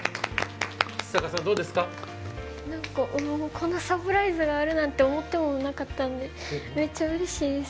こんなサプライズがあるなんて思ってもみなかったのでめっちゃうれしいです。